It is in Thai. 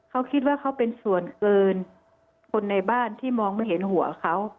เขาคิดว่าเขาเป็นส่วนเกินคนในบ้านที่มองไม่เห็นหัวเขา